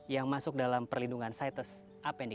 yang masuk dalam perlindungan situs appendix dua